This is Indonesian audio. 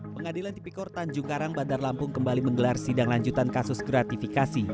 pengadilan tipikor tanjung karang bandar lampung kembali menggelar sidang lanjutan kasus gratifikasi